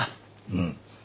うん。